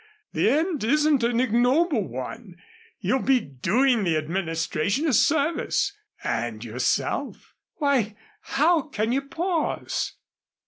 The end isn't an ignoble one. You'll be doing the Administration a service and yourself. Why, how can you pause?"